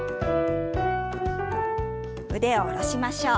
腕を下ろしましょう。